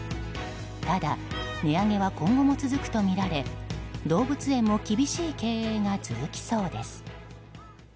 ただ、値上げは今後も続くとみられ動物園も厳しい経営が続きそうです。